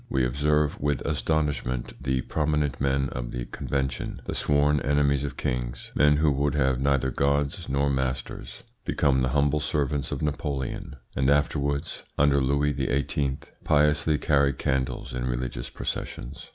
We observe with astonishment the prominent men of the Convention, the sworn enemies of kings, men who would have neither gods nor masters, become the humble servants of Napoleon, and afterwards, under Louis XVIII., piously carry candles in religious processions.